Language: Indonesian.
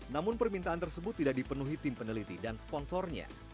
namun permintaan tersebut tidak dipenuhi tim peneliti dan sponsornya